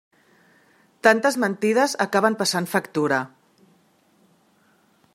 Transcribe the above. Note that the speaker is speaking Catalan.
Tantes mentides acaben passant factura.